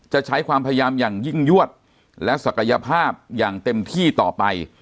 จะใช้ความพยายามอย่างยิ่งยวดและศักยภาพอย่างเต็มที่ต่อไป